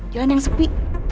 jalan yang sepi